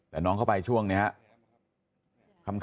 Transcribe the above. แต่น้องเข้าไปช่วงนี้ครับ